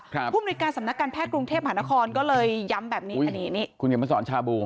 ผู้มนุยการสำนักการแพทย์กรุงเทพหานครก็เลยย้ำแบบนี้อันนี้คุณเขียนมาสอนชาบู